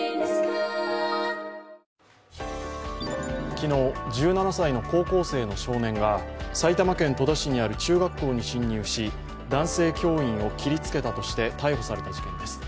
昨日、１７歳の高校生の少年が埼玉県戸田市にある中学校に侵入し男性教員を切りつけたとして逮捕された事件です。